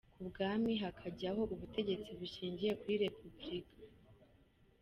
k’ubwami hakajyaho ubutegetsi bushingiye kuri Repubulika.